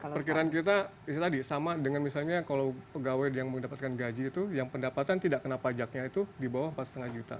perkiraan kita itu tadi sama dengan misalnya kalau pegawai yang mendapatkan gaji itu yang pendapatan tidak kena pajaknya itu di bawah empat lima juta